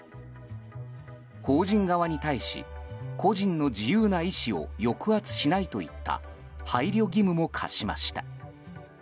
法人側に対し個人の自由な意思を抑圧しないといった配慮義務も課しました。